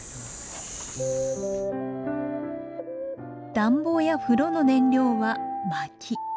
暖房や風呂の燃料はまき。